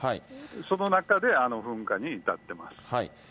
その中で噴火に至ってます。